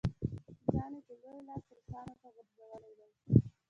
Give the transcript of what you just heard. ځان یې په لوی لاس روسانو ته غورځولی وای.